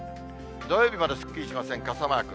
土曜日まですっきりしません、傘マーク。